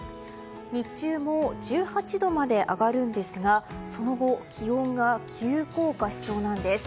日中も１８度まで上がるんですがその後気温が急降下しそうなんです。